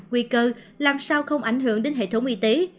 nguy cơ làm sao không ảnh hưởng đến hệ thống y tế